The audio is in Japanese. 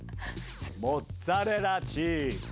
モッツァレラチズ。